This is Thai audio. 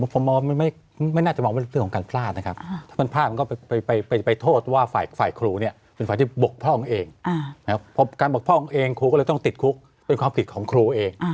การปกป้องเองครูก็เลยต้องติดคุกเป็นความผิดของครูเอง